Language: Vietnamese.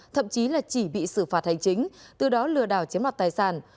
thậm chí là chỉ bị xử phạt hành chính từ đó lừa đảo chiếm mặt tài sản